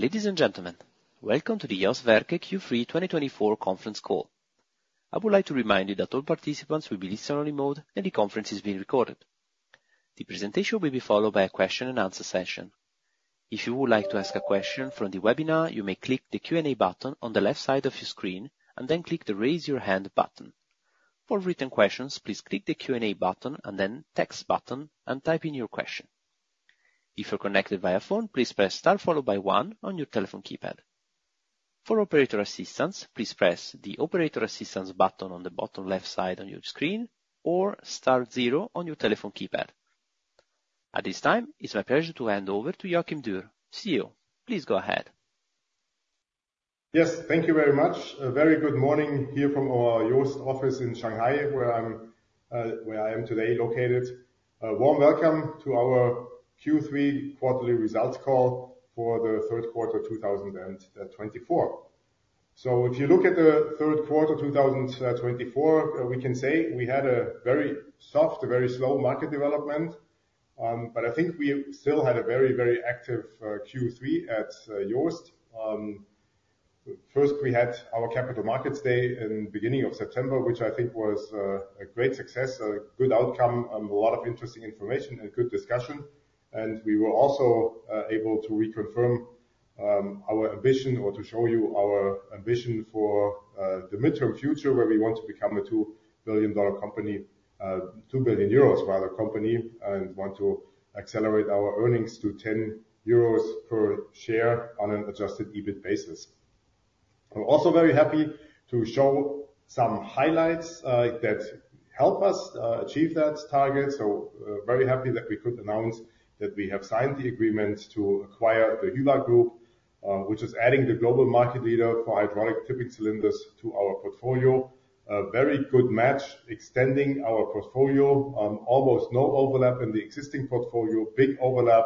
Ladies and gentlemen, welcome to the JOST Werke Q3 2024 conference call. I would like to remind you that all participants will be listen-only mode and the conference is being recorded. The presentation will be followed by a question-and-answer session. If you would like to ask a question from the webinar, you may click the Q&A button on the left side of your screen and then click the raise your hand button. For written questions, please click the Q&A button and then Text button and type in your question. If you're connected via phone, please press star followed by one on your telephone keypad. For operator assistance, please press the Operator Assistance button on the bottom left side on your screen or star zero on your telephone keypad. At this time, it's my pleasure to hand over to Joachim Dürr. CEO, please go ahead. Yes, thank you very much. A very good morning here from our JOST office in Shanghai, where I am today located. A warm welcome to our Q3 quarterly results call for the third quarter 2024. So if you look at the third quarter 2024, we can say we had a very soft, very slow market development, but I think we still had a very, very active Q3 at JOST. First, we had our Capital Markets Day in the beginning of September, which I think was a great success, a good outcome, a lot of interesting information and good discussion. And we were also able to reconfirm our ambition or to show you our ambition for the midterm future, where we want to become a $2 billion company, €2 billion rather, company, and want to accelerate our earnings to €10 per share on an Adjusted EBIT basis. We're also very happy to show some highlights that help us achieve that target, so very happy that we could announce that we have signed the agreement to acquire the Hyva Group, which is adding the global market leader for hydraulic tipping cylinders to our portfolio. A very good match, extending our portfolio, almost no overlap in the existing portfolio, big overlap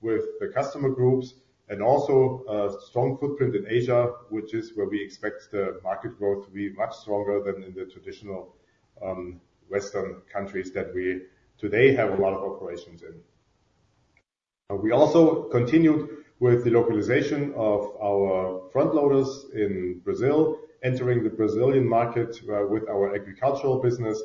with the customer groups, and also a strong footprint in Asia, which is where we expect the market growth to be much stronger than in the traditional Western countries that we today have a lot of operations in. We also continued with the localization of our front loaders in Brazil, entering the Brazilian market with our agricultural business.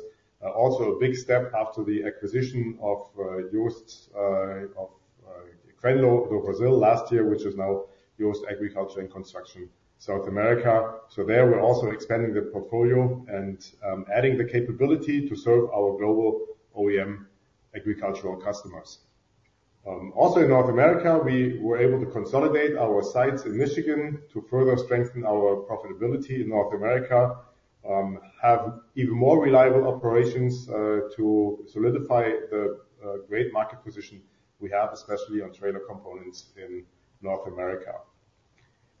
Also a big step after the acquisition of Crenlo do Brasil last year, which is now JOST Agriculture and Construction South America. So, there, we're also expanding the portfolio and adding the capability to serve our global OEM agricultural customers. Also in North America, we were able to consolidate our sites in Michigan to further strengthen our profitability in North America, have even more reliable operations to solidify the great market position we have, especially on trailer components in North America.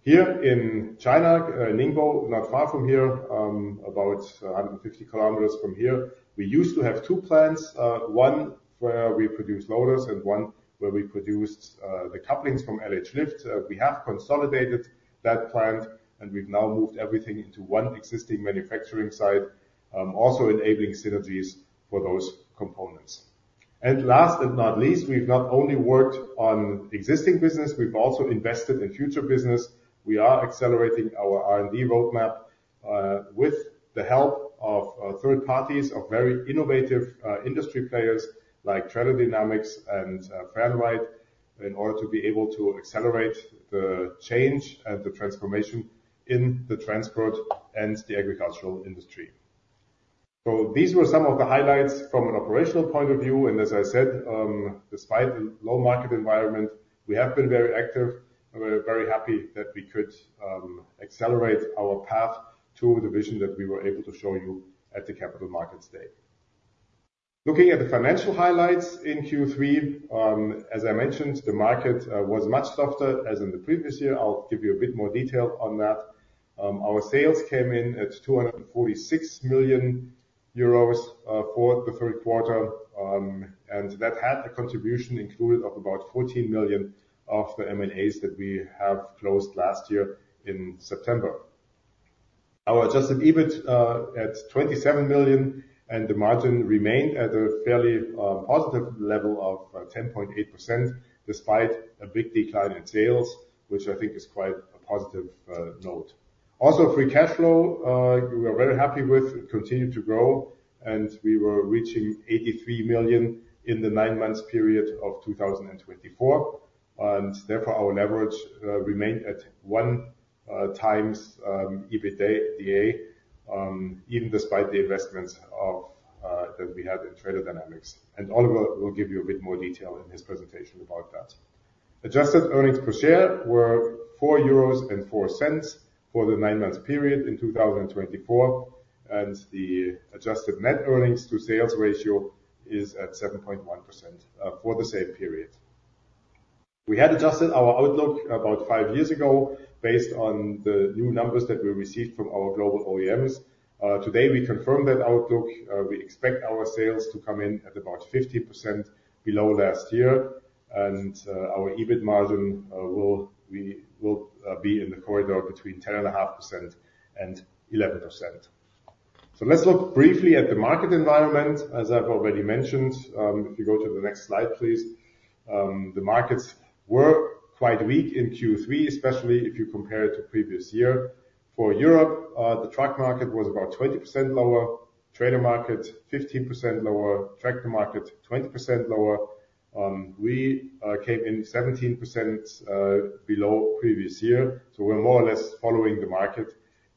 Here in China, Ningbo, not far from here, about 150 km from here, we used to have two plants, one where we produced loaders and one where we produced the couplings from LH Lift. We have consolidated that plant and we've now moved everything into one existing manufacturing site, also enabling synergies for those components, and last but not least, we've not only worked on existing business, we've also invested in future business. We are accelerating our R&D roadmap with the help of third parties, of very innovative industry players like Trailer Dynamics and Fernride, in order to be able to accelerate the change and the transformation in the transport and the agricultural industry. So these were some of the highlights from an operational point of view. And as I said, despite a low market environment, we have been very active. We're very happy that we could accelerate our path to the vision that we were able to show you at the Capital Markets Day. Looking at the financial highlights in Q3, as I mentioned, the market was much softer as in the previous year. I'll give you a bit more detail on that. Our sales came in at 246 million euros for the third quarter, and that had a contribution included of about 14 million of the M&As that we have closed last year in September. Our adjusted EBIT at 27 million and the margin remained at a fairly positive level of 10.8% despite a big decline in sales, which I think is quite a positive note. Also, free cash flow, we are very happy with, continued to grow, and we were reaching 83 million in the nine months period of 2024. Therefore, our leverage remained at one times EBITDA, even despite the investments that we had in Trailer Dynamics. Oliver will give you a bit more detail in his presentation about that. Adjusted earnings per share were 4.04 euros for the nine months period in 2024, and the adjusted net earnings to sales ratio is at 7.1% for the same period. We had adjusted our outlook about five years ago based on the new numbers that we received from our global OEMs. Today, we confirmed that outlook. We expect our sales to come in at about 15% below last year, and our EBIT margin will be in the corridor between 10.5% and 11%. So let's look briefly at the market environment. As I've already mentioned, if you go to the next slide, please, the markets were quite weak in Q3, especially if you compare it to the previous year. For Europe, the truck market was about 20% lower, trailer market 15% lower, tractor market 20% lower. We came in 17% below previous year. So we're more or less following the market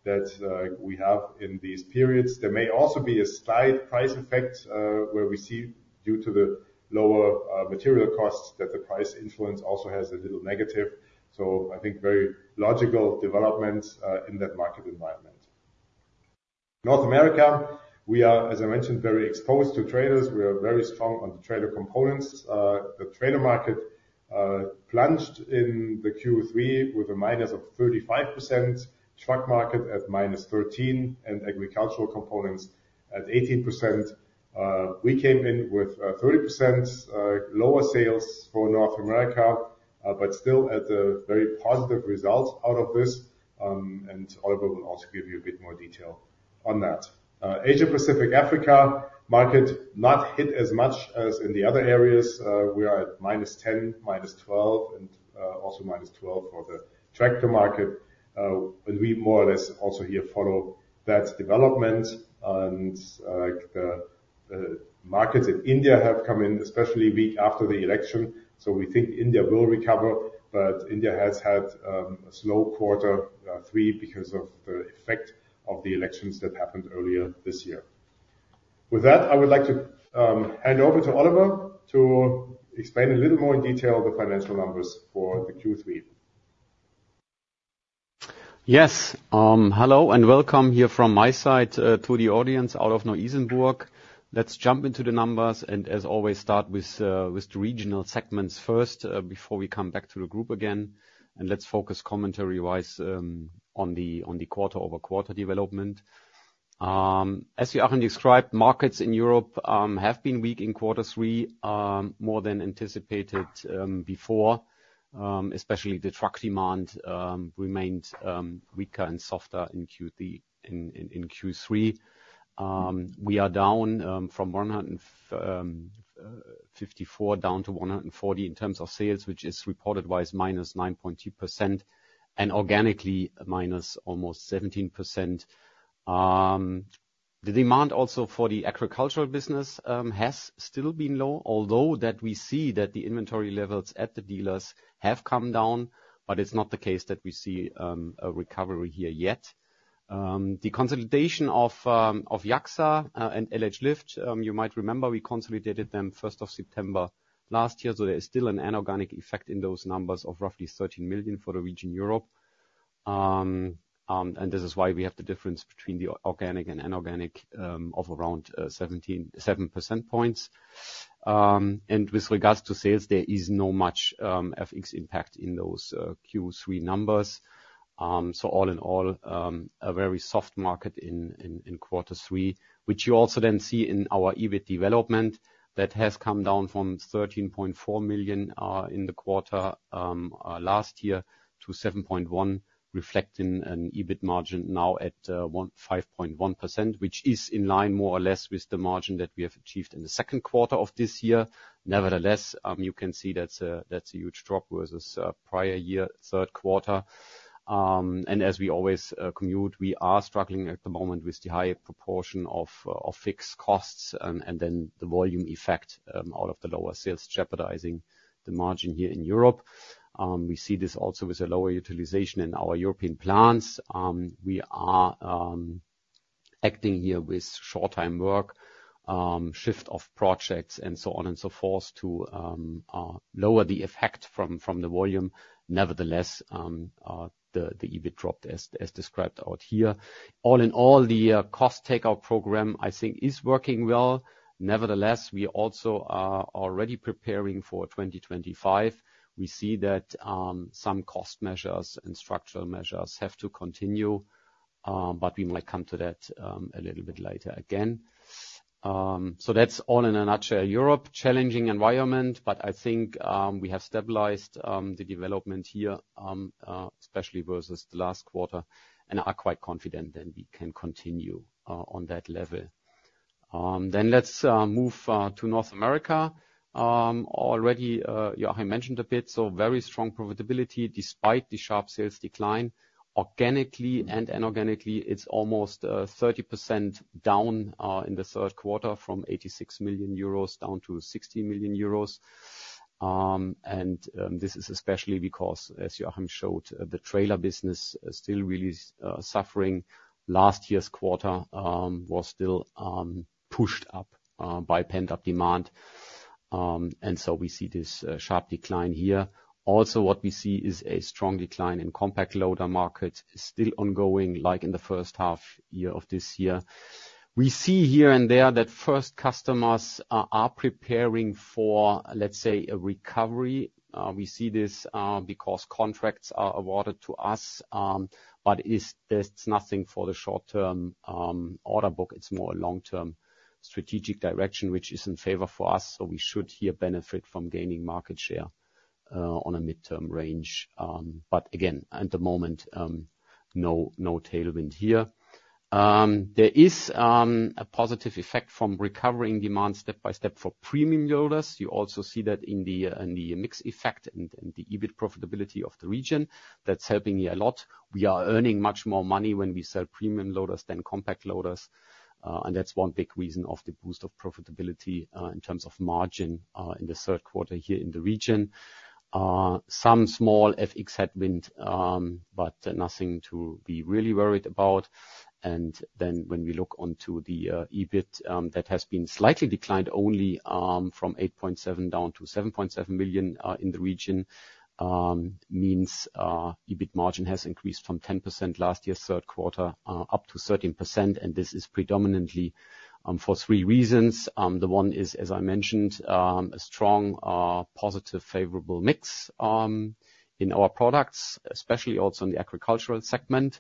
that we have in these periods. There may also be a slight price effect where we see, due to the lower material costs, that the price influence also has a little negative, so I think very logical developments in that market environment. North America, we are, as I mentioned, very exposed to trailers. We are very strong on the trailer components. The trailer market plunged in the Q3 with a minus of 35%, truck market at minus 13%, and agricultural components at 18%. We came in with 30% lower sales for North America, but still at a very positive result out of this, and Oliver will also give you a bit more detail on that. Asia Pacific Africa market not hit as much as in the other areas. We are at minus 10, minus 12, and also minus 12 for the tractor market, and we more or less also here follow that development. The markets in India have come in, especially weak after the election. We think India will recover, but India has had a slow quarter three because of the effect of the elections that happened earlier this year. With that, I would like to hand over to Oliver to explain a little more in detail the financial numbers for the Q3. Yes. Hello and welcome here from my side to the audience out of Neu-Isenburg. Let's jump into the numbers and as always start with the regional segments first before we come back to the group again, and let's focus commentary-wise on the quarter-over-quarter development. As Joachim described, markets in Europe have been weak in quarter three more than anticipated before, especially the truck demand remained weaker and softer in Q3. We are down from 154 down to 140 in terms of sales, which is reported-wise minus 9.2% and organically minus almost 17%. The demand also for the agricultural business has still been low, although that we see that the inventory levels at the dealers have come down, but it's not the case that we see a recovery here yet. The consolidation of JACSA and LH Lift, you might remember, we consolidated them first of September last year. There is still an inorganic effect in those numbers of roughly 13 million for the region Europe. This is why we have the difference between the organic and inorganic of around 17 percentage points. With regards to sales, there is not much FX impact in those Q3 numbers. All in all, a very soft market in quarter three, which you also then see in our EBIT development that has come down from 13.4 million in the quarter last year to 7.1 million, reflecting an EBIT margin now at 5.1%, which is in line more or less with the margin that we have achieved in the second quarter of this year. Nevertheless, you can see that's a huge drop versus prior year third quarter. As we always comment, we are struggling at the moment with the high proportion of fixed costs and then the volume effect out of the lower sales jeopardizing the margin here in Europe. We see this also with a lower utilization in our European plants. We are acting here with short-time work, shift of projects, and so on and so forth to lower the effect from the volume. Nevertheless, the EBIT dropped as described out here. All in all, the cost takeout program, I think, is working well. Nevertheless, we also are already preparing for 2025. We see that some cost measures and structural measures have to continue, but we might come to that a little bit later again. That's all in a nutshell. Europe, challenging environment, but I think we have stabilized the development here, especially versus the last quarter, and are quite confident that we can continue on that level. Then let's move to North America. Already, Joachim mentioned a bit. So very strong profitability despite the sharp sales decline. Inorganically and organically, it's almost 30% down in the third quarter from 86 million euros down to 60 million euros. And this is especially because, as Joachim showed, the trailer business is still really suffering. Last year's quarter was still pushed up by pent-up demand. And so we see this sharp decline here. Also, what we see is a strong decline in compact loader markets is still ongoing, like in the first half year of this year. We see here and there that first customers are preparing for, let's say, a recovery. We see this because contracts are awarded to us, but it's nothing for the short-term order book. It's more a long-term strategic direction, which is in favor for us. So we should here benefit from gaining market share on a midterm range. But again, at the moment, no tailwind here. There is a positive effect from recovering demand step by step for premium loaders. You also see that in the mixed effect and the EBIT profitability of the region. That's helping here a lot. We are earning much more money when we sell premium loaders than compact loaders. And that's one big reason of the boost of profitability in terms of margin in the third quarter here in the region. Some small FX headwind, but nothing to be really worried about. And then when we look onto the EBIT, that has been slightly declined only from 8.7 million down to 7.7 million in the region. This means EBIT margin has increased from 10% last year's third quarter up to 13%. And this is predominantly for three reasons. The one is, as I mentioned, a strong positive favorable mix in our products, especially also in the agricultural segment.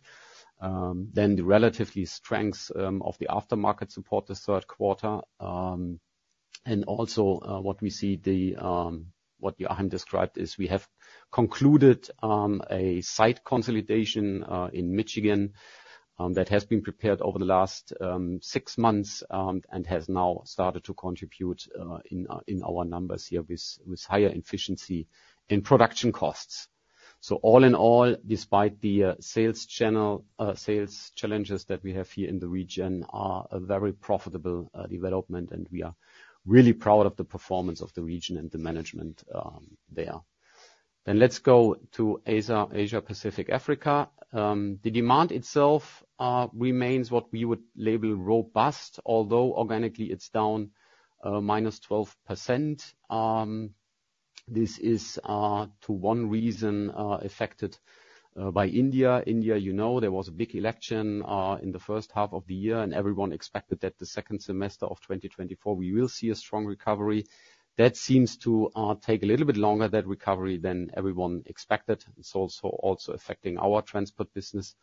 Then the relative strength of the aftermarket supported the third quarter. And also what we see, what Joachim described is we have concluded a site consolidation in Michigan that has been prepared over the last six months and has now started to contribute in our numbers here with higher efficiency in production costs. So all in all, despite the sales challenges that we have here in the region, a very profitable development, and we are really proud of the performance of the region and the management there. Then let's go to Asia Pacific Africa. The demand itself remains what we would label robust, although organically it's down –12%. This is to one reason affected by India. India, you know, there was a big election in the first half of the year, and everyone expected that the second semester of 2024, we will see a strong recovery. That seems to take a little bit longer, that recovery than everyone expected. It's also affecting our transport business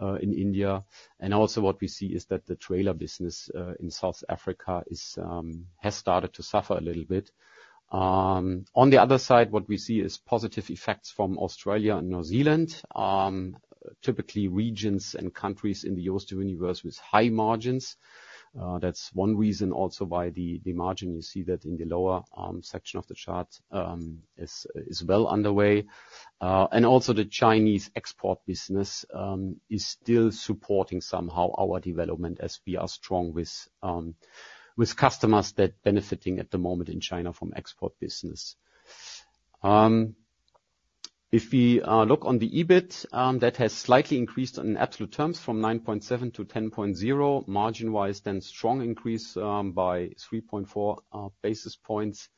in India. And also what we see is that the trailer business in South Africa has started to suffer a little bit. On the other side, what we see is positive effects from Australia and New Zealand, typically regions and countries in the EU universe with high margins. That's one reason also why the margin you see that in the lower section of the chart is well underway. And also the Chinese export business is still supporting somehow our development as we are strong with customers that benefiting at the moment in China from export business. If we look on the EBIT, that has slightly increased in absolute terms from 9.7 to 10.0 margin-wise, then strong increase by 3.4 basis points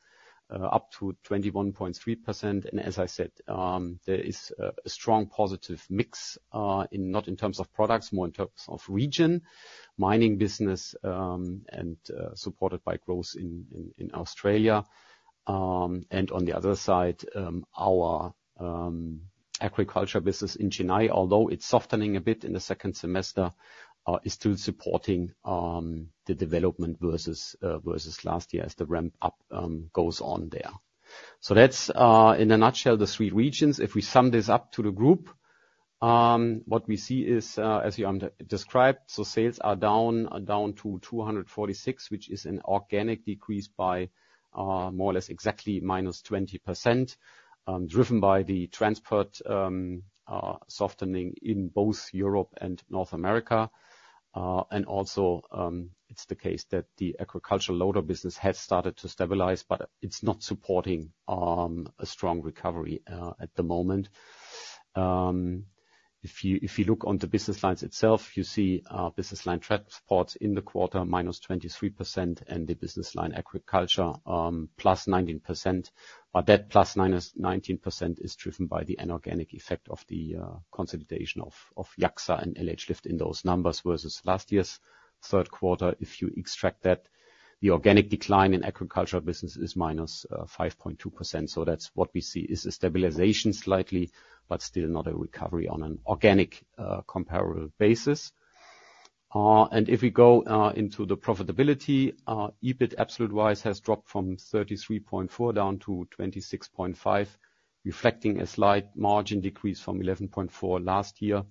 up to 21.3%. And as I said, there is a strong positive mix not in terms of products, more in terms of region, mining business and supported by growth in Australia. And on the other side, our agriculture business in Chennai, although it's softening a bit in the second semester, is still supporting the development versus last year as the ramp up goes on there. So that's in a nutshell the three regions. If we sum this up to the group, what we see is, as you described, so sales are down to 246, which is an organic decrease by more or less exactly minus 20%, driven by the transport softening in both Europe and North America. And also it's the case that the agricultural loader business has started to stabilize, but it's not supporting a strong recovery at the moment. If you look on the business lines itself, you see business line transport in the quarter minus 23% and the business line agriculture plus 19%. But that plus minus 19% is driven by the inorganic effect of the consolidation of JACSA and LH Lift in those numbers versus last year's third quarter. If you extract that, the organic decline in agriculture business is minus 5.2%. So that's what we see is a stabilization slightly, but still not a recovery on an organic comparable basis. And if we go into the profitability, EBIT absolute-wise has dropped from 33.4 down to 26.5, reflecting a slight margin decrease from 11.4% last year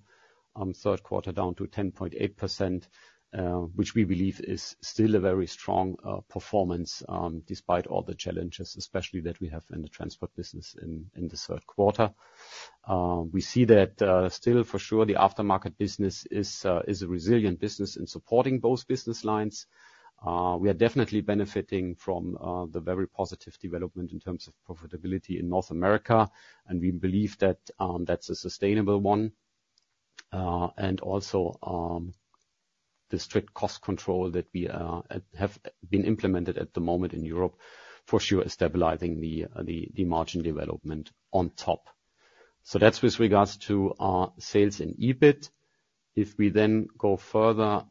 third quarter down to 10.8%, which we believe is still a very strong performance despite all the challenges, especially that we have in the transport business in the third quarter. We see that still for sure the aftermarket business is a resilient business in supporting both business lines. We are definitely benefiting from the very positive development in terms of profitability in North America. We believe that that's a sustainable one. Also the strict cost control that we have been implemented at the moment in Europe for sure is stabilizing the margin development on top. That's with regards to sales in EBIT. If we then go further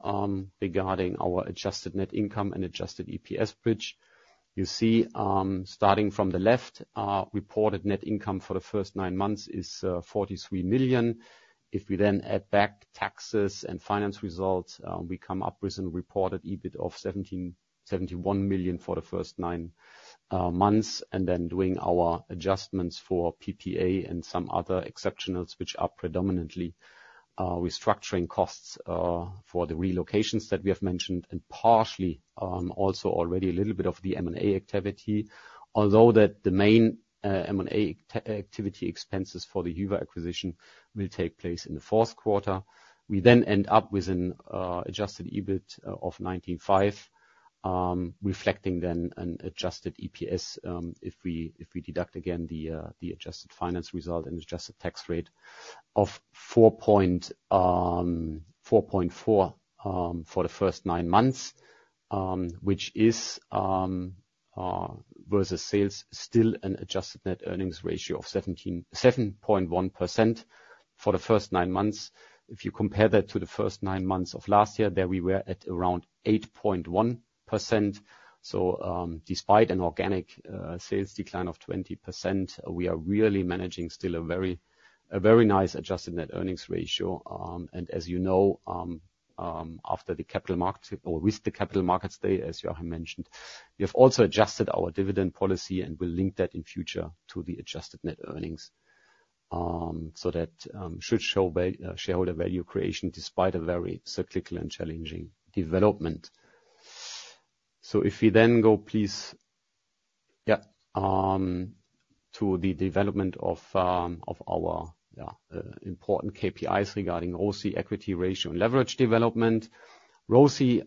regarding our adjusted net income and adjusted EPS bridge, you see starting from the left, reported net income for the first nine months is 43 million. If we then add back taxes and finance results, we come up with a reported EBIT of 71 million for the first nine months. Then doing our adjustments for PPA and some other exceptionals, which are predominantly restructuring costs for the relocations that we have mentioned and partially also already a little bit of the M&A activity, although that the main M&A activity expenses for the Hyva acquisition will take place in the fourth quarter. We then end up with an adjusted EBIT of 19.5, reflecting then an adjusted EPS if we deduct again the adjusted finance result and adjusted tax rate of 4.4% for the first nine months, which is versus sales still an adjusted net earnings ratio of 7.1% for the first nine months. If you compare that to the first nine months of last year, there we were at around 8.1%. So despite an organic sales decline of 20%, we are really managing still a very nice adjusted net earnings ratio. And as you know, after the capital market or with the Capital Markets Day, as Joachim mentioned, we have also adjusted our dividend policy and will link that in future to the adjusted net earnings. So that should show shareholder value creation despite a very cyclical and challenging development. If we then go please, yeah, to the development of our important KPIs regarding ROCE, equity ratio and leverage development. ROCE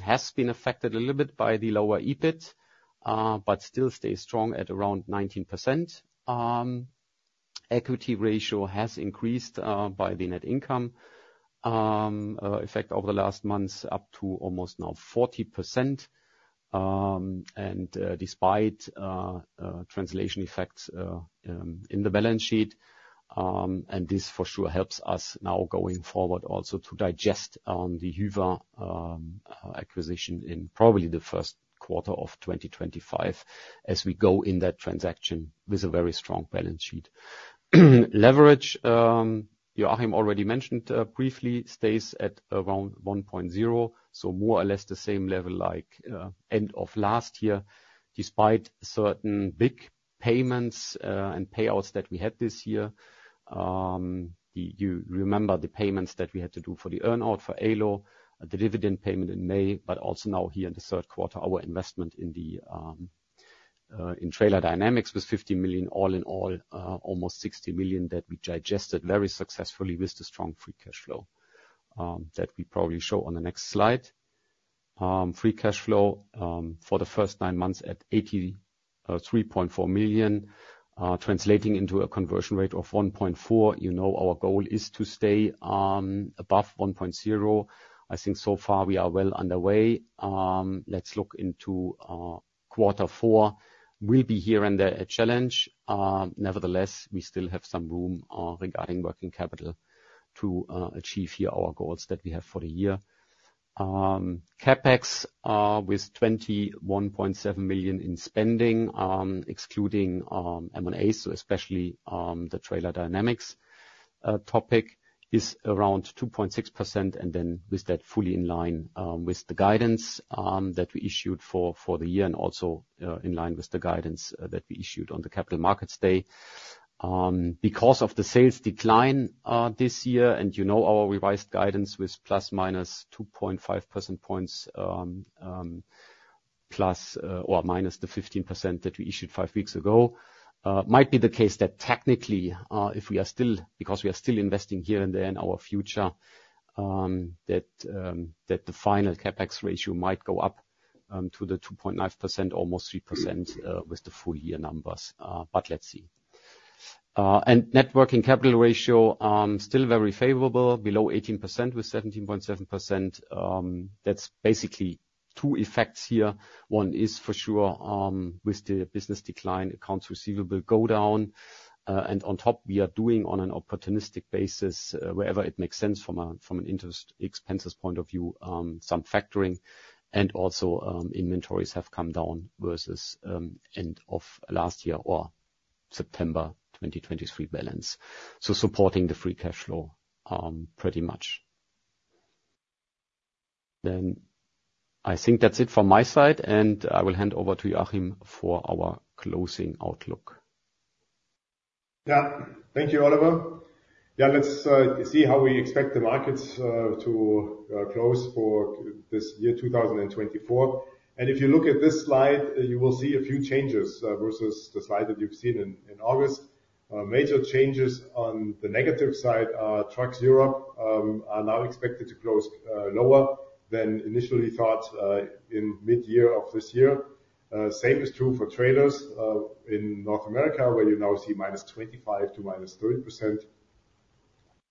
has been affected a little bit by the lower EBIT, but still stays strong at around 19%. Equity ratio has increased by the net income effect over the last months up to almost now 40%, and despite translation effects in the balance sheet, and this for sure helps us now going forward also to digest the Hyva acquisition in probably the first quarter of 2025 as we go in that transaction with a very strong balance sheet. Leverage, Joachim already mentioned briefly, stays at around 1.0, so more or less the same level like end of last year. Despite certain big payments and payouts that we had this year, you remember the payments that we had to do for the earnout for Ålö the dividend payment in May, but also now here in the third quarter, our investment in Trailer Dynamics was 50 million, all in all almost 60 million that we digested very successfully with the strong free cash flow that we probably show on the next slide. Free cash flow for the first nine months at 83.4 million, translating into a conversion rate of 1.4. You know our goal is to stay above 1.0. I think so far we are well underway. Let's look into quarter four. We'll be here and there a challenge. Nevertheless, we still have some room regarding working capital to achieve here our goals that we have for the year. CapEx with 21.7 million in spending, excluding M&A, so especially the Trailer Dynamics topic is around 2.6%. And then with that fully in line with the guidance that we issued for the year and also in line with the guidance that we issued on the Capital Markets Day. Because of the sales decline this year, and you know our revised guidance with plus minus 2.5% points plus or minus the 15% that we issued five weeks ago, might be the case that technically if we are still, because we are still investing here and there in our future, that the final CapEx ratio might go up to the 2.9%, almost 3% with the full year numbers. But let's see. And net working capital ratio still very favorable, below 18% with 17.7%. That's basically two effects here. One is for sure with the business decline, accounts receivable go down. On top, we are doing on an opportunistic basis, wherever it makes sense from an interest expenses point of view, some factoring. Also inventories have come down versus end of last year or September 2023 balance. This is supporting the free cash flow pretty much. I think that's it from my side, and I will hand over to Joachim for our closing outlook. Yeah, thank you, Oliver. Yeah, let's see how we expect the markets to close for this year 2024. If you look at this slide, you will see a few changes versus the slide that you've seen in August. Major changes on the negative side are trucks in Europe, which are now expected to close lower than initially thought in mid-year of this year. The same is true for trailers in North America, where you now see minus 25% to minus 30%.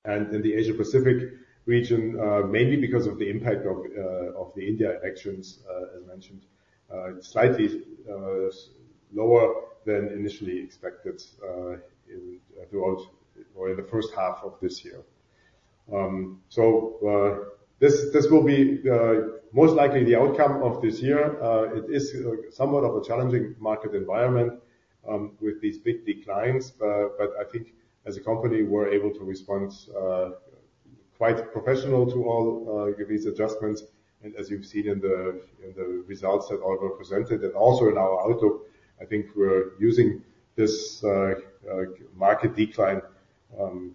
In the Asia Pacific region, mainly because of the impact of the Indian elections, as mentioned, slightly lower than initially expected throughout or in the first half of this year. This will be most likely the outcome of this year. It is somewhat of a challenging market environment with these big declines. I think as a company, we're able to respond quite professional to all these adjustments. As you've seen in the results that Oliver presented and also in our outlook, I think we're using this market decline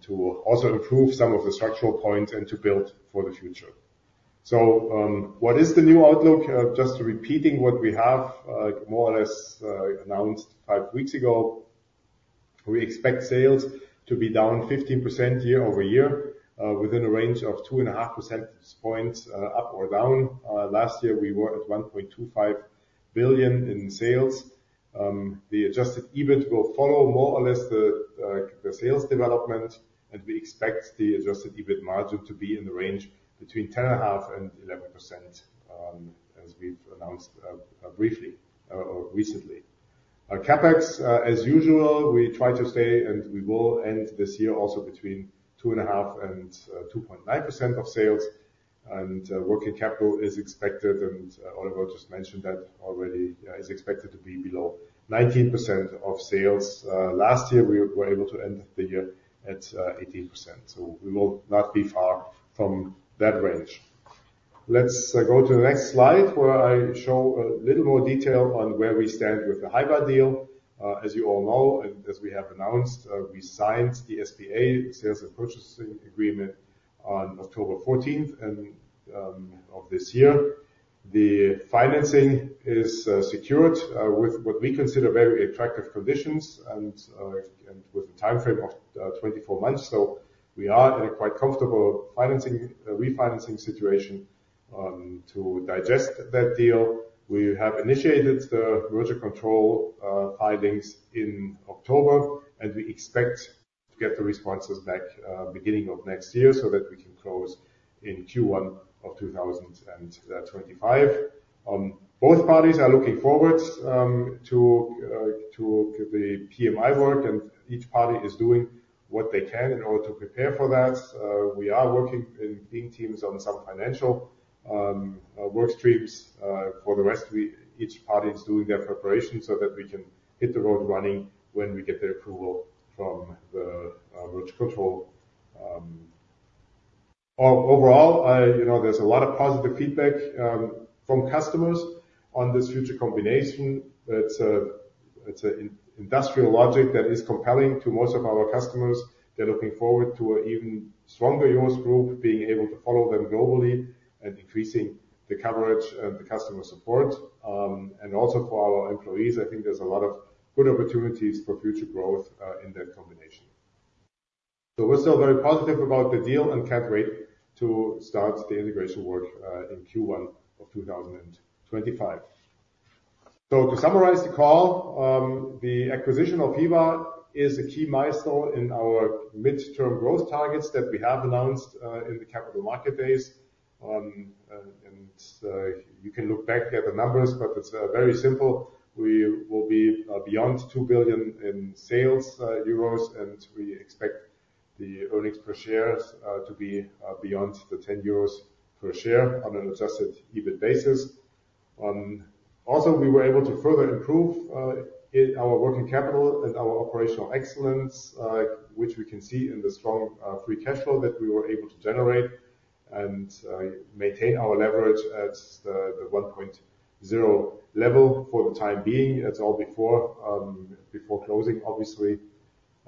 to also improve some of the structural points and to build for the future. What is the new outlook? Just repeating what we have more or less announced five weeks ago, we expect sales to be down 15% year over year within a range of 2.5 percentage points up or down. Last year, we were at 1.25 billion in sales. The adjusted EBIT will follow more or less the sales development, and we expect the adjusted EBIT margin to be in the range between 10.5% and 11% as we've announced briefly or recently. CapEx, as usual, we try to stay and we will end this year also between 2.5% and 2.9% of sales. Working capital is expected, and Oliver just mentioned that already is expected to be below 19% of sales. Last year, we were able to end the year at 18%. So we will not be far from that range. Let's go to the next slide where I show a little more detail on where we stand with the Hyva deal. As you all know, and as we have announced, we signed the SPA sales and purchase agreement on October 14th of this year. The financing is secured with what we consider very attractive conditions and with a timeframe of 24 months, so we are in a quite comfortable refinancing situation to digest that deal. We have initiated the merger control filings in October, and we expect to get the responses back beginning of next year so that we can close in Q1 of 2025. Both parties are looking forward to the PMI work, and each party is doing what they can in order to prepare for that. We are working in teams on some financial work streams. For the rest, each party is doing their preparation so that we can hit the road running when we get the approval from the merger control. Overall, there's a lot of positive feedback from customers on this future combination. It's an industrial logic that is compelling to most of our customers. They're looking forward to an even stronger U.S. group being able to follow them globally and increasing the coverage and the customer support. And also for our employees, I think there's a lot of good opportunities for future growth in that combination. So we're still very positive about the deal and can't wait to start the integration work in Q1 of 2025. So to summarize the call, the acquisition of Hyva is a key milestone in our midterm growth targets that we have announced in the capital market days. And you can look back at the numbers, but it's very simple. We will be beyond 2 billion in sales, and we expect the earnings per share to be beyond 10 euros per share on an adjusted EBIT basis. Also, we were able to further improve our working capital and our operational excellence, which we can see in the strong free cash flow that we were able to generate and maintain our leverage at the 1.0 level for the time being. That's all before closing, obviously.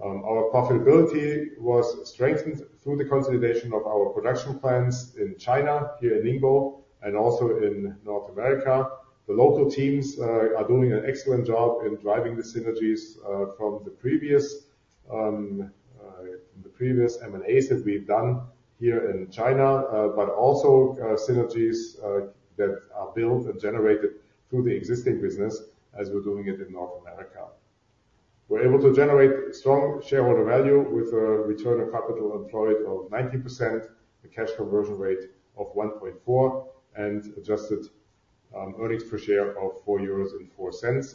Our profitability was strengthened through the consolidation of our production plants in China, here in Ningbo, and also in North America. The local teams are doing an excellent job in driving the synergies from the previous M&As that we've done here in China, but also synergies that are built and generated through the existing business as we're doing it in North America. We're able to generate strong shareholder value with a return of capital employed of 19%, a cash conversion rate of 1.4, and adjusted earnings per share of 4.04 euros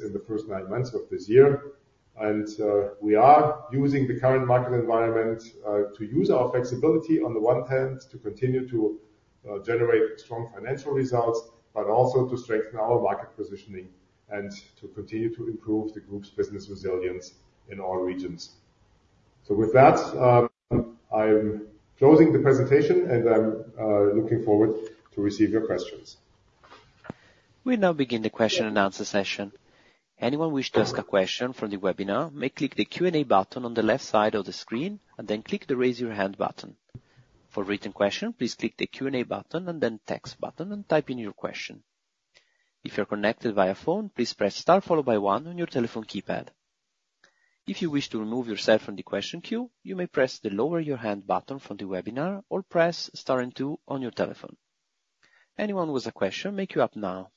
in the first nine months of this year. We are using the current market environment to use our flexibility on the one hand to continue to generate strong financial results, but also to strengthen our market positioning and to continue to improve the group's business resilience in all regions. With that, I'm closing the presentation, and I'm looking forward to receiving your questions. We now begin the question and answer session. Anyone wishing to ask a question from the webinar may click the Q&A button on the left side of the screen and then click the raise your hand button. For written questions, please click the Q&A button and then text button and type in your question. If you're connected via phone, please press star followed by one on your telephone keypad. If you wish to remove yourself from the question queue, you may press the Lower Your Hand button from the webinar or press Star and Two on your telephone. Anyone with a question, raise your hand now.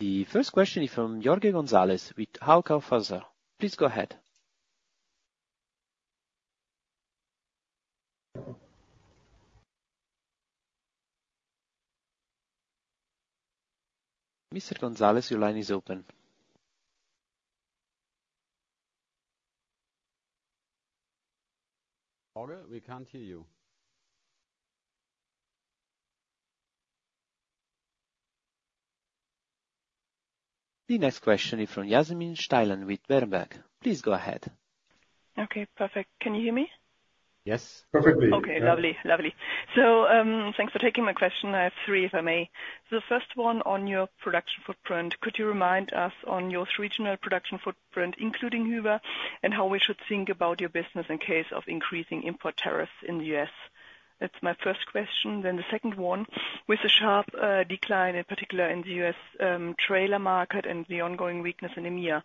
The first question is from Jorge González with Hauck Aufhäuser Lampe. Please go ahead. Mr. Gonzalez, your line is open. Olga, we can't hear you. The next question is from Jasmin Steilen with Warburg Research. Please go ahead. Okay, perfect. Can you hear me? Yes. Perfectly. Okay, lovely, lovely. So thanks for taking my question. I have three, if I may. So the first one on your production footprint, could you remind us on your regional production footprint, including Hyva, and how we should think about your business in case of increasing import tariffs in the U.S.? That's my first question. Then the second one with a sharp decline, in particular in the U.S. trailer market and the ongoing weakness in EMEA.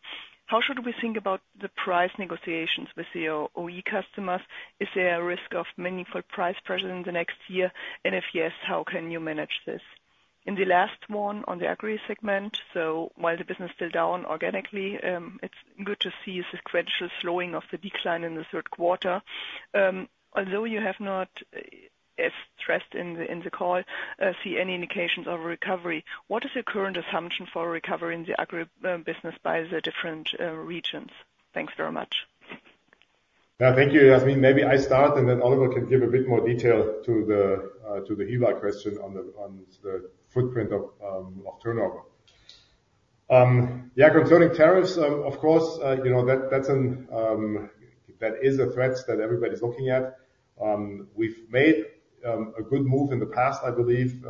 How should we think about the price negotiations with your OE customers? Is there a risk of meaningful price pressure in the next year? And if yes, how can you manage this? And the last one on the agri segment, so while the business is still down organically, it's good to see the gradual slowing of the decline in the third quarter. Although you have not stressed in the call, I see any indications of recovery. What is your current assumption for recovery in the agri business by the different regions? Thanks very much. Thank you, Yasmin. Maybe I start and then Oliver can give a bit more detail to the Hyva question on the footprint of turnover. Yeah, concerning tariffs, of course, that is a threat that everybody's looking at. We've made a good move in the past, I believe,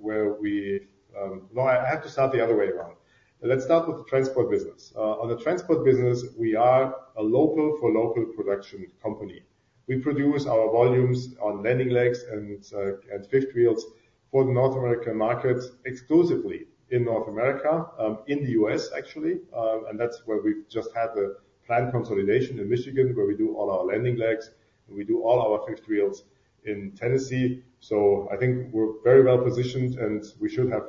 where we - no, I have to start the other way around. Let's start with the transport business. On the transport business, we are a local-for-local production company. We produce our volumes on landing legs and fifth wheels for the North American market exclusively in North America, in the U.S., actually. And that's where we've just had the planned consolidation in Michigan, where we do all our landing legs, and we do all our fifth wheels in Tennessee. So I think we're very well positioned, and we should have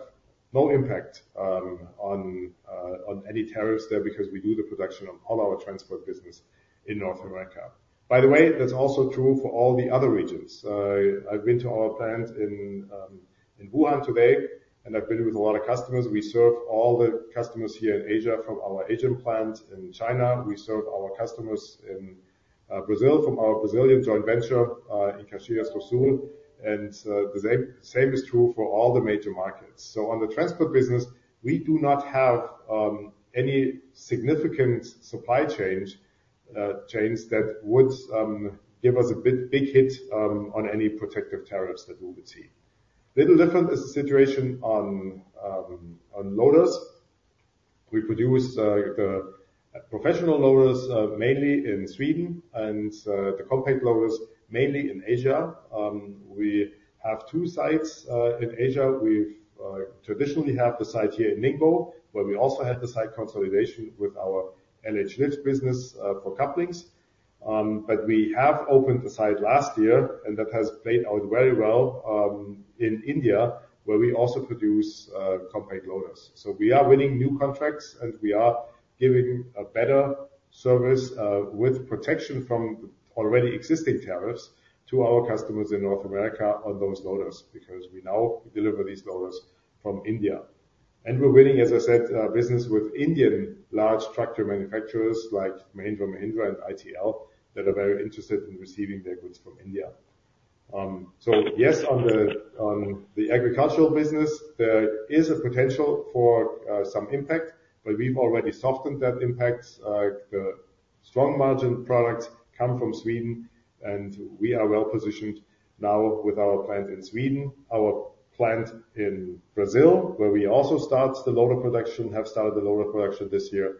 no impact on any tariffs there because we do the production of all our transport business in North America. By the way, that's also true for all the other regions. I've been to our plant in Wuhan today, and I've been with a lot of customers. We serve all the customers here in Asia from our Asian plant in China. We serve our customers in Brazil from our Brazilian joint venture in Caxias do Sul, and the same is true for all the major markets, so on the transport business, we do not have any significant supply chain that would give us a big hit on any protective tariffs that we would see. A little different is the situation on loaders. We produce the professional loaders mainly in Sweden and the compact loaders mainly in Asia. We have two sites in Asia. We traditionally have the site here in Ningbo, where we also have the site consolidation with our LH Lift business for couplings. But we have opened the site last year, and that has played out very well in India, where we also produce compact loaders. So we are winning new contracts, and we are giving a better service with protection from already existing tariffs to our customers in North America on those loaders because we now deliver these loaders from India. And we're winning, as I said, business with Indian large tractor manufacturers like Mahindra & Mahindra and ITL that are very interested in receiving their goods from India. So yes, on the agricultural business, there is a potential for some impact, but we've already softened that impact. The strong margin products come from Sweden, and we are well positioned now with our plant in Sweden, our plant in Brazil, where we also start the loader production, have started the loader production this year,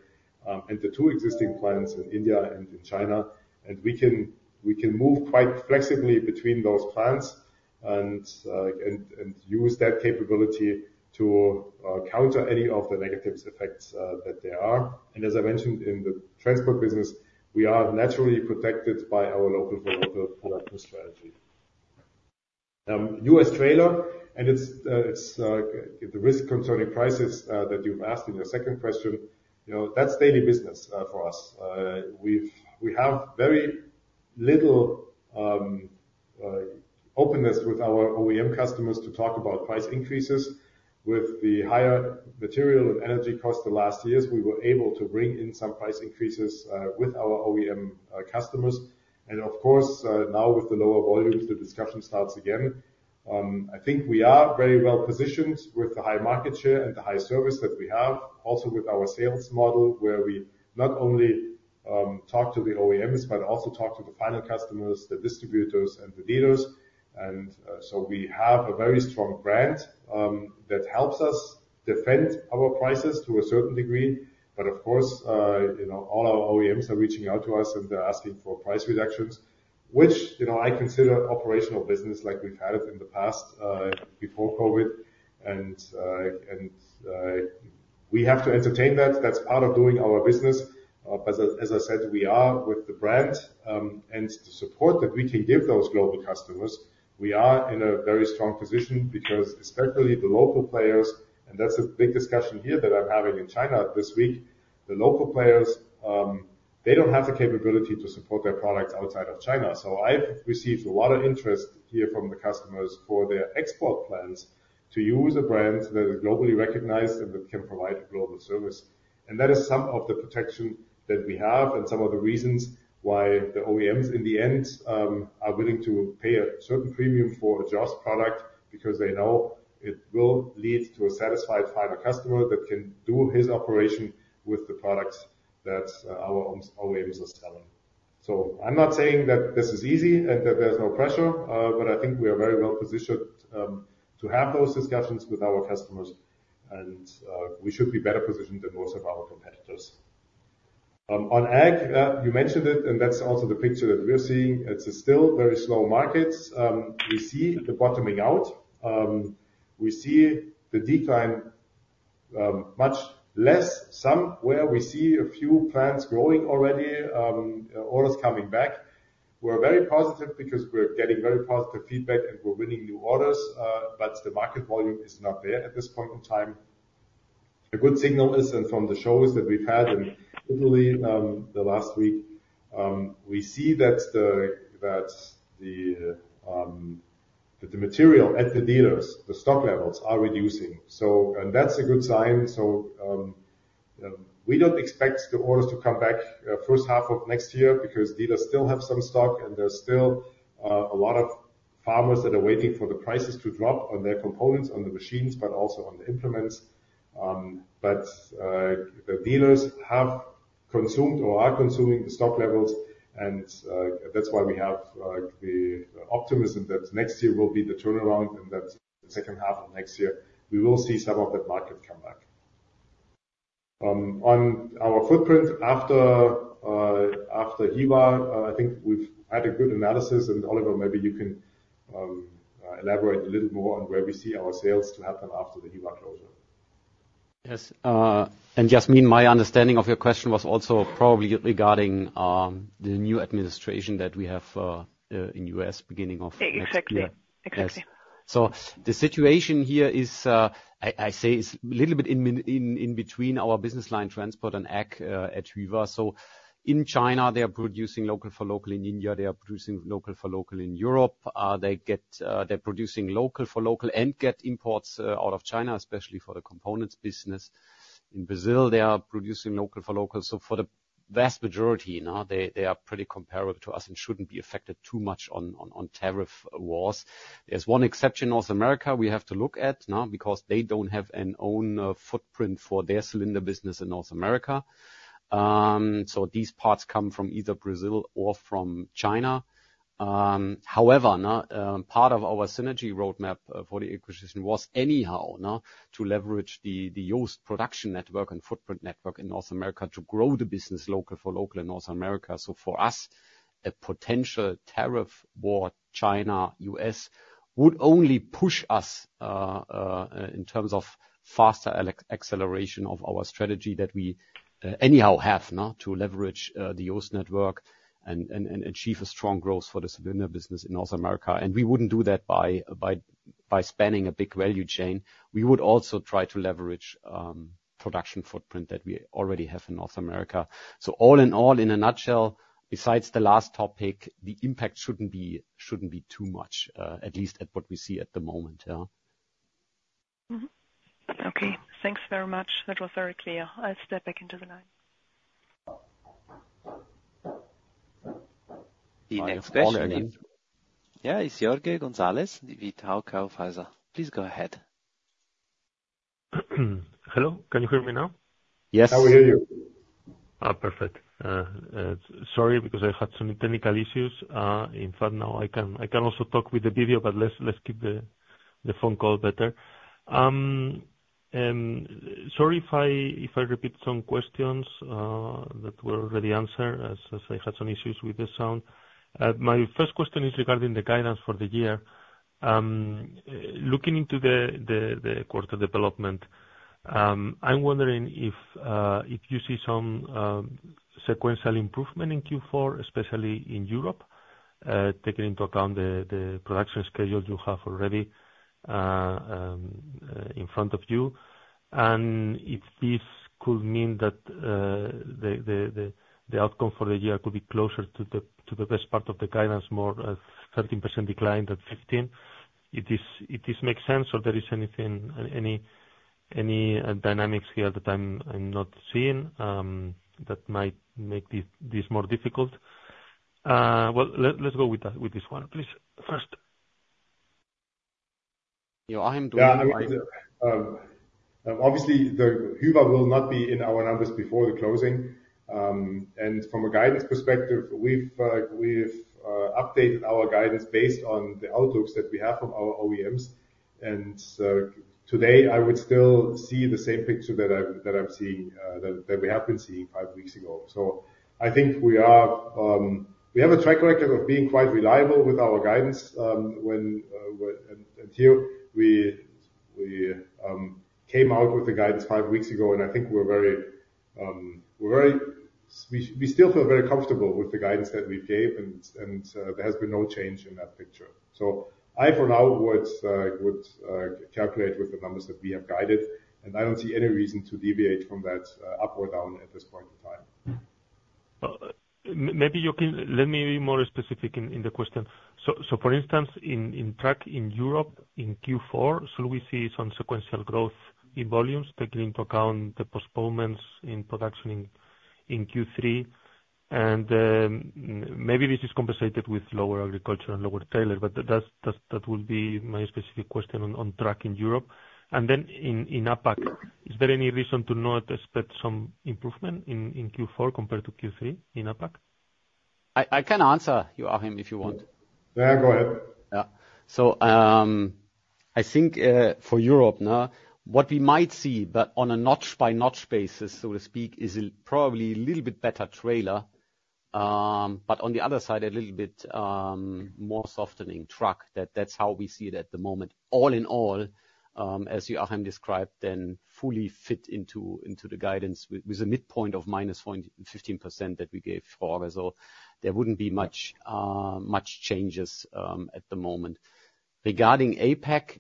and the two existing plants in India and in China. And we can move quite flexibly between those plants and use that capability to counter any of the negative effects that there are. And as I mentioned, in the transport business, we are naturally protected by our local-for-local production strategy. U.S. trailer, and it's the risk concerning prices that you've asked in your second question. That's daily business for us. We have very little openness with our OEM customers to talk about price increases. With the higher material and energy costs the last years, we were able to bring in some price increases with our OEM customers. And of course, now with the lower volumes, the discussion starts again. I think we are very well positioned with the high market share and the high service that we have, also with our sales model, where we not only talk to the OEMs, but also talk to the final customers, the distributors, and the dealers. And so we have a very strong brand that helps us defend our prices to a certain degree. But of course, all our OEMs are reaching out to us, and they're asking for price reductions, which I consider operational business like we've had it in the past before COVID. And we have to entertain that. That's part of doing our business. But as I said, we are with the brand and the support that we can give those global customers. We are in a very strong position because especially the local players, and that's a big discussion here that I'm having in China this week. The local players, they don't have the capability to support their products outside of China. So I've received a lot of interest here from the customers for their export plans to use a brand that is globally recognized and that can provide a global service, and that is some of the protection that we have and some of the reasons why the OEMs in the end are willing to pay a certain premium for a JOST product because they know it will lead to a satisfied final customer that can do his operation with the products that our OEMs are selling. So I'm not saying that this is easy and that there's no pressure, but I think we are very well positioned to have those discussions with our customers, and we should be better positioned than most of our competitors. On ag, you mentioned it, and that's also the picture that we're seeing. It's still very slow markets. We see the bottoming out. We see the decline much less somewhere. We see a few plants growing already, orders coming back. We're very positive because we're getting very positive feedback, and we're winning new orders, but the market volume is not there at this point in time. A good signal is, and from the shows that we've had in Italy the last week, we see that the material at the dealers, the stock levels are reducing, and that's a good sign. So we don't expect the orders to come back first half of next year because dealers still have some stock, and there's still a lot of farmers that are waiting for the prices to drop on their components, on the machines, but also on the implements. But the dealers have consumed or are consuming the stock levels, and that's why we have the optimism that next year will be the turnaround and that the second half of next year, we will see some of that market come back. On our footprint after Hyva, I think we've had a good analysis, and Oliver, maybe you can elaborate a little more on where we see our sales to happen after the Hyva closure. Yes. And Yasmin, my understanding of your question was also probably regarding the new administration that we have in the U.S. beginning of next year. Exactly. Exactly. The situation here is a little bit in between our business line transport and ag at Hyva. So in China, they're producing local-for-local in India. They're producing local-for-local in Europe. They're producing local-for-local and get imports out of China, especially for the components business. In Brazil, they are producing local-for-local. So for the vast majority, they are pretty comparable to us and shouldn't be affected too much on tariff wars. There's one exception, North America, we have to look at because they don't have an own footprint for their cylinder business in North America. So these parts come from either Brazil or from China. However, part of our synergy roadmap for the acquisition was anyhow to leverage the JOST's production network and footprint network in North America to grow the business local-for-local in North America. So, for us, a potential tariff war, China, U.S., would only push us in terms of faster acceleration of our strategy that we anyhow have to leverage the use network and achieve a strong growth for the cylinder business in North America. And we wouldn't do that by spanning a big value chain. We would also try to leverage production footprint that we already have in North America. So all in all, in a nutshell, besides the last topic, the impact shouldn't be too much, at least at what we see at the moment. Okay. Thanks very much. That was very clear. I'll step back into the line. The next question. Yeah, it's Jorge González with Hauck Aufhäuser Lampe. Please go ahead. Hello. Can you hear me now? Yes. Now we hear you. Perfect. Sorry because I had some technical issues. In fact, now I can also talk with the video, but let's keep the phone call better. Sorry if I repeat some questions that were already answered as I had some issues with the sound. My first question is regarding the guidance for the year. Looking into the quarter development, I'm wondering if you see some sequential improvement in Q4, especially in Europe, taking into account the production schedule you have already in front of you, and if this could mean that the outcome for the year could be closer to the best part of the guidance, more 13% decline than 15%, it makes sense or there is anything, any dynamics here that I'm not seeing that might make this more difficult? Well, let's go with this one. Please, first. Yeah, I'm doing it. Obviously, Hyva will not be in our numbers before the closing. From a guidance perspective, we've updated our guidance based on the outlooks that we have from our OEMs. Today, I would still see the same picture that I'm seeing, that we have been seeing five weeks ago. I think we have a track record of being quite reliable with our guidance. Here, we came out with the guidance five weeks ago, and I think we still feel very comfortable with the guidance that we gave, and there has been no change in that picture. For now, I would calculate with the numbers that we have guided, and I don't see any reason to deviate from that up or down at this point in time. Maybe you can let me be more specific in the question. For instance, in trucks in Europe in Q4, should we see some sequential growth in volumes, taking into account the postponements in production in Q3? And maybe this is compensated with lower agriculture and lower trailer, but that would be my specific question on trucks in Europe. And then in APAC, is there any reason to not expect some improvement in Q4 compared to Q3 in APAC? I can answer your question if you want. Yeah, go ahead. Yeah. For Europe, what we might see, but on a month-by-month basis, so to speak, is probably a little bit better trailer, but on the other side, a little bit more softening truck. That's how we see it at the moment. All in all, as you have described, then fully fit into the guidance with a midpoint of -15% that we gave for August. So there wouldn't be much changes at the moment. Regarding APAC,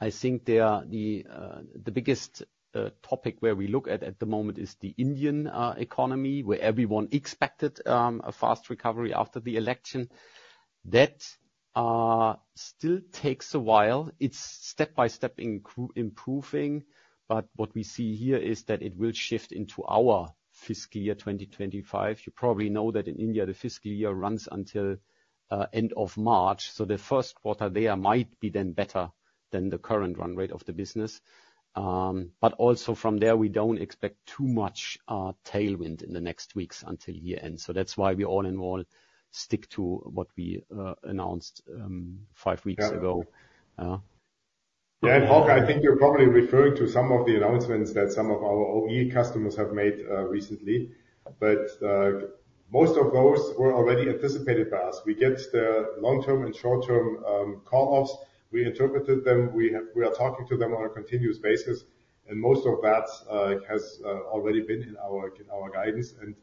I think the biggest topic where we look at the moment is the Indian economy, where everyone expected a fast recovery after the election. That still takes a while. It's step-by-step improving, but what we see here is that it will shift into our fiscal year 2025. You probably know that in India, the fiscal year runs until end of March. So the first quarter there might be then better than the current run rate of the business. But also from there, we don't expect too much tailwind in the next weeks until year-end. So that's why we all in all stick to what we announced five weeks ago. Yeah. Yeah, and Jorge, I think you're probably referring to some of the announcements that some of our OE customers have made recently. But most of those were already anticipated by us. We get the long-term and short-term call-offs. We interpreted them. We are talking to them on a continuous basis. And most of that has already been in our guidance. And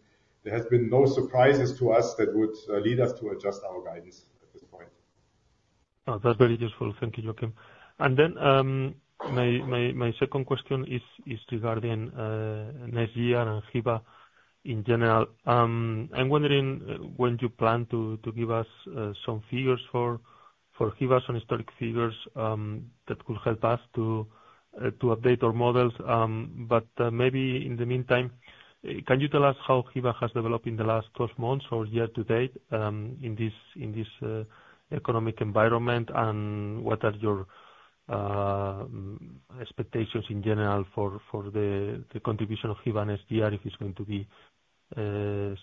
there has been no surprises to us that would lead us to adjust our guidance at this point. That's very useful. Thank you, Oliver. And then my second question is regarding next year and Hyva in general. I'm wondering when you plan to give us some figures for Hyva, some historic figures that could help us to update our models. But maybe in the meantime, can you tell us how Hyva has developed in the last 12 months or year to date in this economic environment, and what are your expectations in general for the contribution of Hyva next year, if it's going to be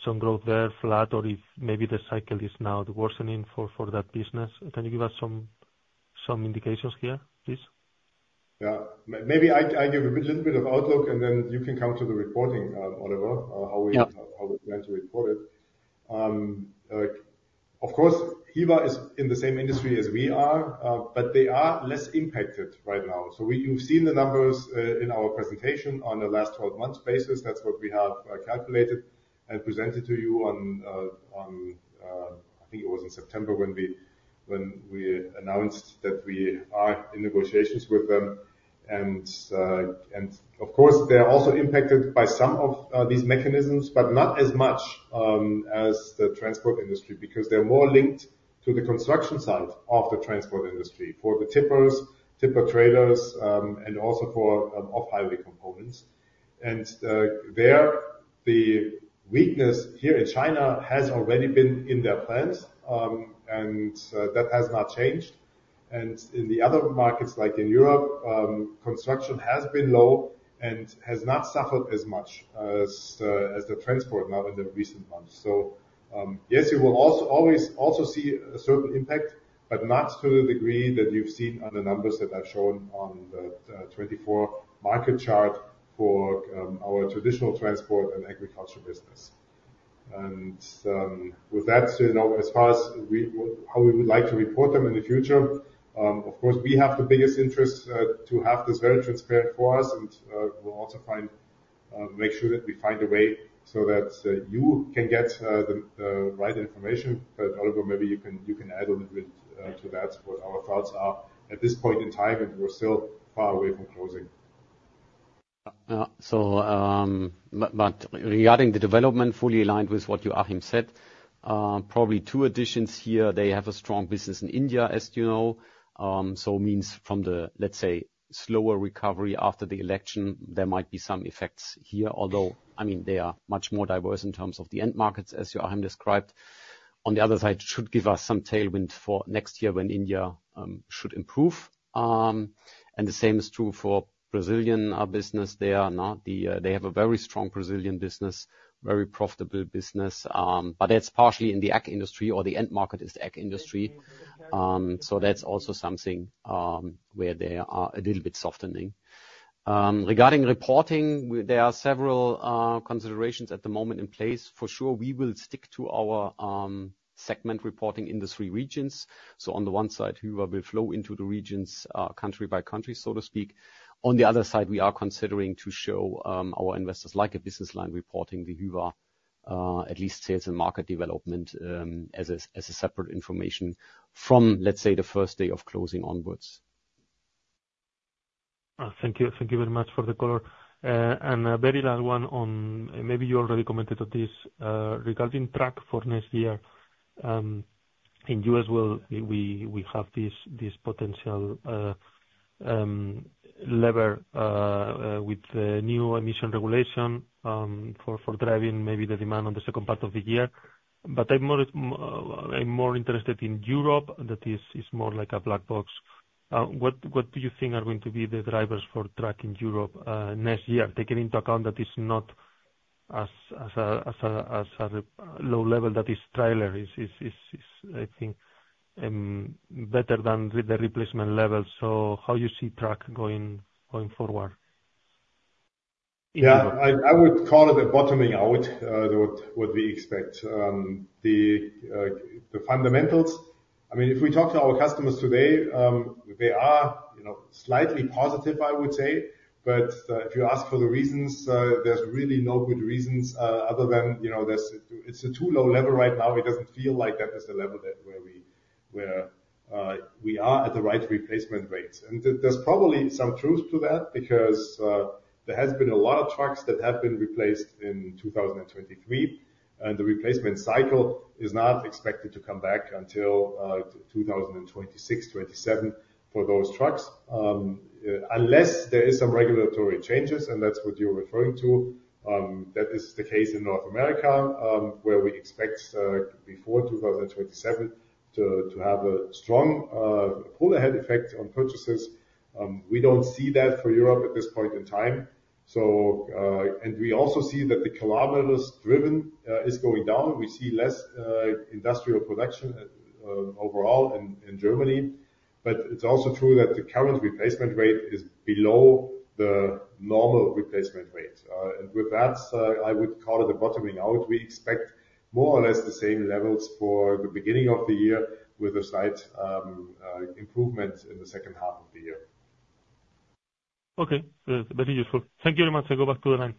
some growth there, flat, or if maybe the cycle is now worsening for that business? Can you give us some indications here, please? Yeah. Maybe I give a little bit of outlook, and then you can come to the reporting, Oliver, how we plan to report it. Of course, Hyva is in the same industry as we are, but they are less impacted right now. So you've seen the numbers in our presentation on a last 12-month basis. That's what we have calculated and presented to you on, I think it was in September when we announced that we are in negotiations with them. Of course, they are also impacted by some of these mechanisms, but not as much as the transport industry because they're more linked to the construction side of the transport industry for the tippers, tipper trailers, and also for off-highway components. There, the weakness here in China has already been in their plans, and that has not changed. In the other markets, like in Europe, construction has been low and has not suffered as much as the transport now in the recent months. Yes, you will also always see a certain impact, but not to the degree that you've seen on the numbers that I've shown on the '24 market chart for our traditional transport and agriculture business. With that, as far as how we would like to report them in the future, of course, we have the biggest interest to have this very transparent for us, and we'll also make sure that we find a way so that you can get the right information. Oliver, maybe you can add a little bit to that, what our thoughts are at this point in time, and we're still far away from closing. Regarding the development, fully aligned with what Joachim said, probably two additions here. They have a strong business in India, as you know. So it means from the, let's say, slower recovery after the election, there might be some effects here, although, I mean, they are much more diverse in terms of the end markets, as Joachim described. On the other side, it should give us some tailwind for next year when India should improve. And the same is true for Brazilian business there. They have a very strong Brazilian business, very profitable business, but that's partially in the ag industry or the end market is the ag industry. So that's also something where they are a little bit softening. Regarding reporting, there are several considerations at the moment in place. For sure, we will stick to our segment reporting in the three regions. So on the one side, Hyva will flow into the regions, country by country, so to speak. On the other side, we are considering to show our investors like a business line reporting, the Hyva, at least sales and market development as a separate information from, let's say, the first day of closing onwards. Thank you very much for the color. A very last one on, maybe you already commented on this, regarding truck for next year. In the US, we have this potential lever with the new emission regulation for driving maybe the demand on the second part of the year. But I'm more interested in Europe that is more like a black box. What do you think are going to be the drivers for truck in Europe next year, taking into account that it's not as a low level that is trailer, I think, better than the replacement level? So how do you see truck going forward? Yeah. I would call it a bottoming out, what we expect. The fundamentals, I mean, if we talk to our customers today, they are slightly positive, I would say. But if you ask for the reasons, there's really no good reasons other than it's a too low level right now. It doesn't feel like that is the level where we are at the right replacement rates, and there's probably some truth to that because there has been a lot of trucks that have been replaced in 2023, and the replacement cycle is not expected to come back until 2026, 2027 for those trucks, unless there are some regulatory changes, and that's what you're referring to. That is the case in North America, where we expect before 2027 to have a strong pull ahead effect on purchases. We don't see that for Europe at this point in time, and we also see that the kilometers driven is going down. We see less industrial production overall in Germany, but it's also true that the current replacement rate is below the normal replacement rate, and with that, I would call it a bottoming out. We expect more or less the same levels for the beginning of the year with a slight improvement in the second half of the year. Okay. Very useful. Thank you very much. I'll go back to the line.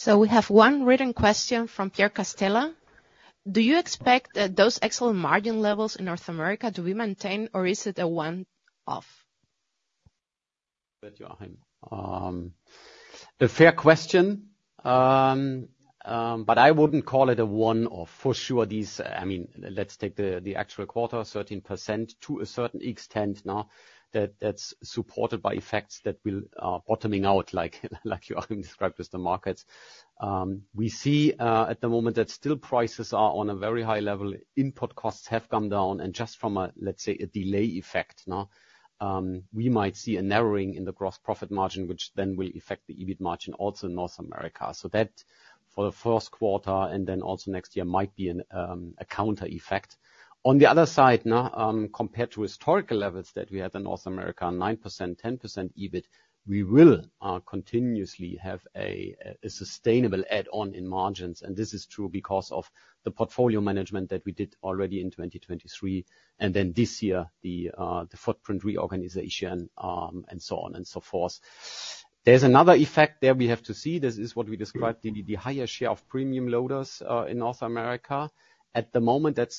So we have one written question from Pierre Castella. Do you expect that those excellent margin levels in North America, do we maintain, or is it a one-off? Thank you, Pierre. A fair question, but I wouldn't call it a one-off. For sure, I mean, let's take the actual quarter, 13% to a certain extent now that that's supported by effects that will bottoming out like Joachim described with the markets. We see at the moment that still prices are on a very high level. Import costs have come down, and just from a, let's say, a delay effect, we might see a narrowing in the gross profit margin, which then will affect the EBIT margin also in North America. So that for the first quarter and then also next year might be a counter effect. On the other side, compared to historical levels that we had in North America, 9%, 10% EBIT, we will continuously have a sustainable add-on in margins. And this is true because of the portfolio management that we did already in 2023, and then this year, the footprint reorganization, and so on and so forth. There's another effect there we have to see. This is what we described, the higher share of premium loaders in North America. At the moment, that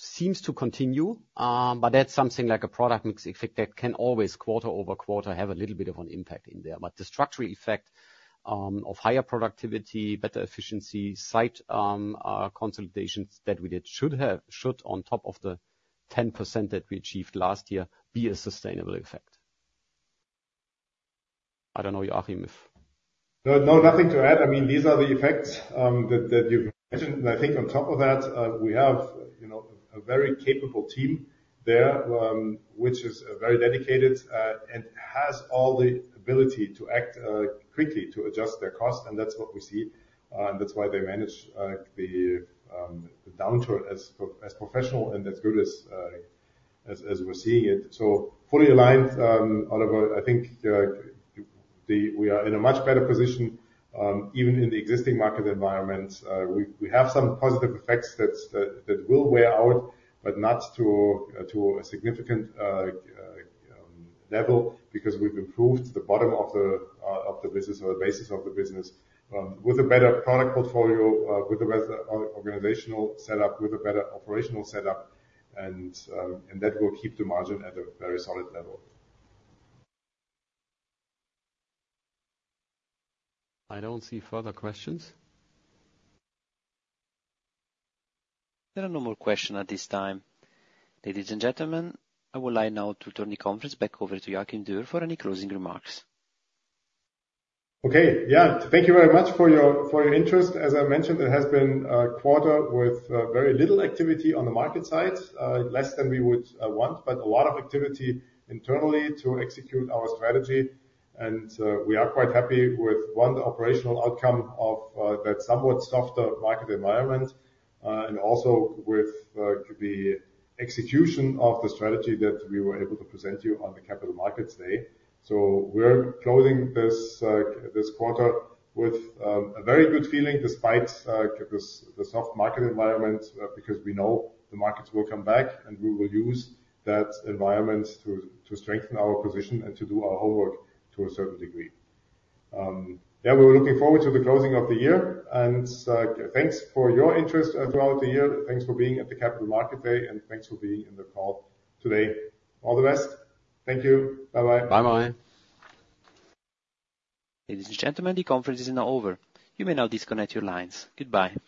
seems to continue, but that's something like a product mix effect that can always quarter over quarter have a little bit of an impact in there, but the structural effect of higher productivity, better efficiency, site consolidations that we did should, on top of the 10% that we achieved last year, be a sustainable effect. I don't know, Joachim. If—no, nothing to add. I mean, these are the effects that you've mentioned, and I think on top of that, we have a very capable team there, which is very dedicated and has all the ability to act quickly to adjust their cost, and that's what we see, and that's why they manage the downturn as professional and as good as we're seeing it, so fully aligned, Oliver, I think we are in a much better position even in the existing market environment. We have some positive effects that will wear out, but not to a significant level because we've improved the bottom of the business or the basis of the business with a better product portfolio, with a better organizational setup, with a better operational setup. And that will keep the margin at a very solid level. I don't see further questions. There are no more questions at this time. Ladies and gentlemen, I will now turn the conference back over to Joachim Dürr for any closing remarks. Okay. Yeah. Thank you very much for your interest. As I mentioned, it has been a quarter with very little activity on the market side, less than we would want, but a lot of activity internally to execute our strategy. We are quite happy with one operational outcome of that somewhat softer market environment and also with the execution of the strategy that we were able to present to you at the Capital Markets Day. We're closing this quarter with a very good feeling despite the soft market environment because we know the markets will come back, and we will use that environment to strengthen our position and to do our homework to a certain degree. Yeah, we're looking forward to the closing of the year. Thanks for your interest throughout the year. Thanks for being at the Capital Markets Day, and thanks for being in the call today. All the best. Thank you. Bye-bye. Bye-bye. Ladies and gentlemen, the conference is now over. You may now disconnect your lines. Goodbye.